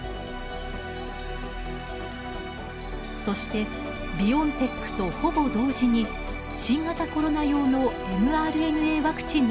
そしてビオンテックとほぼ同時に新型コロナ用のｍＲＮＡワクチンの開発に成功。